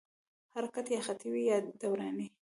حرکت یا خطي وي یا دوراني.